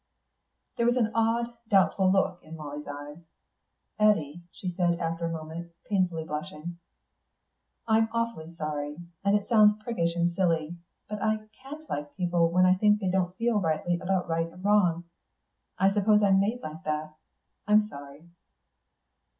There was an odd doubtful look in Molly's eyes. "Eddy," she said after a moment, painfully blushing, "I'm awfully sorry, and it sounds priggish and silly but I can't like people when I think they don't feel rightly about right and wrong. I suppose I'm made like that. I'm sorry."